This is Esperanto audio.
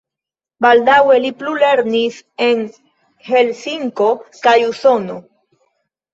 Baldaŭe li plulernis en Helsinko kaj Usono.